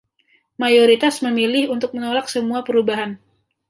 Mayoritas memilih untuk menolak semua perubahan.